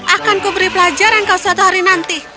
akanku beri pelajaran kau suatu hari nanti